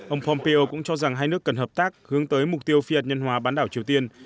ông pompeo cũng cho rằng hai nước cần hợp tác hướng tới mục tiêu phi hạt nhân hóa bán đảo triều tiên